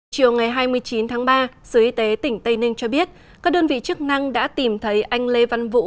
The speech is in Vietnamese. chiều ngày hai mươi chín tháng ba sứ y tế tỉnh tây ninh cho biết các đơn vị chức năng đã tìm thấy anh lê văn vũ